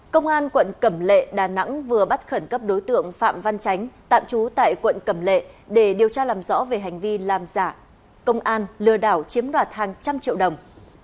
công an quận cẩm lệ đà nẵng vừa bắt khẩn cấp đối tượng phạm văn chánh tạm trú tại quận cẩm lệ để điều tra làm rõ về hành vi làm giả công an lừa đảo chiếm đoạt hàng trăm triệu đồng